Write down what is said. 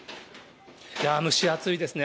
蒸し暑いですね。